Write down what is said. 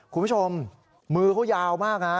คุณผู้ชมมือเขายาวมากนะ